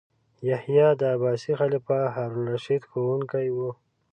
یحیی د عباسي خلیفه هارون الرشید ښوونکی و.